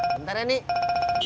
bentar ya nek